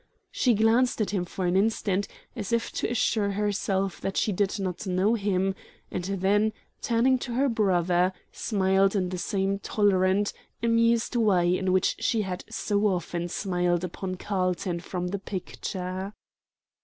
She glanced at him for an instant, as if to assure herself that she did not know him, and then, turning to her brother, smiled in the same tolerant, amused way in which she had so often smiled upon Carlton from the picture.